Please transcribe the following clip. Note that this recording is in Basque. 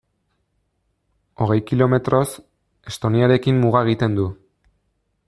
Hogei kilometroz, Estoniarekin muga egiten du.